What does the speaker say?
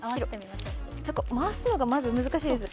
回すのがまず難しいです。